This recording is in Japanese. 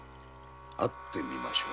会ってみましょう。